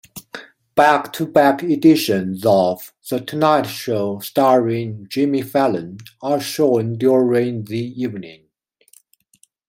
Back-to-back editions of "The Tonight Show starring Jimmy Fallon" are shown during the evening.